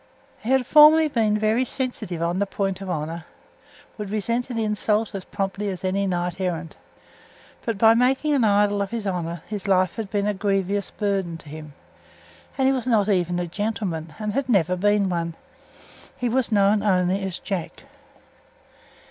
He had formerly been very sensitive on the point of honour; would resent an insult as promptly as any knight errant; but by making an idol of his honour his life had been a grievous burden to him. And he was not even a gentleman, and never had been one. He was known only as "Jack."